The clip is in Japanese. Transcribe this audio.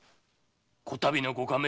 こたびのご下命